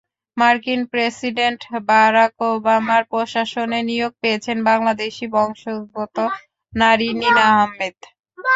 মার্কিন president Barack ওবামার প্রশাসনে নিয়োগ পেয়েছেন বাংলাদেশি বংশোদ্ভূত নারী নিনা আহমেদ।